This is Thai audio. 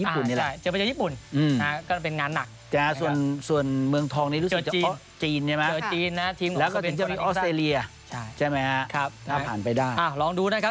ไปเจอกับเกาหลีหรือเจอญี่ปุ่นนี่แหละ